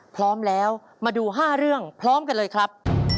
พร้อมแล้วมาดู๕เรื่องพร้อมกันเลยครับ